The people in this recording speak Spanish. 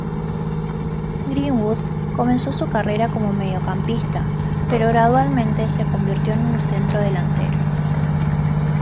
Greenwood comenzó su carrera como mediocampista pero gradualmente se convirtió en un centro delantero.